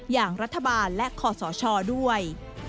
อย่างรัฐบาลและคอสชด้วย